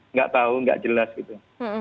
nggak tahu nggak jelas gitu